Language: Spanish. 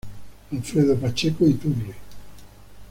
Alfredo Pacheco Iturri.